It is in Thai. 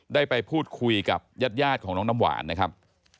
ได้ไปพูดคุยกับญาติของน้องน้ำหวานนะครับ